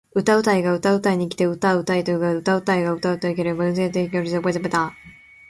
歌うたいが歌うたいに来て歌うたえと言うが歌うたいが歌うたうだけうたい切れば歌うたうけれども歌うたいだけ歌うたい切れないから歌うたわぬ！？